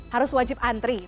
harus wajib antri